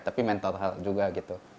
tapi mental health juga gitu